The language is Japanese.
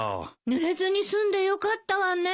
ぬれずに済んでよかったわね。